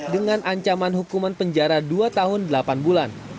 dengan ancaman hukuman penjara dua tahun delapan bulan